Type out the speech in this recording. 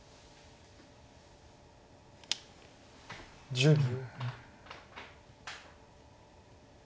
１０秒。